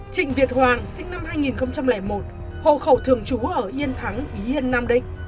trịnh việt hoàng sinh năm hai nghìn một hộ khẩu thường chú ở yên thắng ý yên nam định